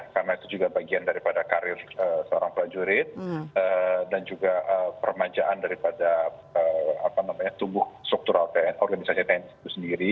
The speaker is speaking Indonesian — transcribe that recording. karena itu juga bagian dari karir seorang pelajurit dan juga permajaan dari pada tubuh struktural organisasi tni itu sendiri